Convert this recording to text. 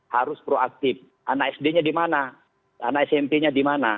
harus proaktif anak sd nya di mana anak smp nya di mana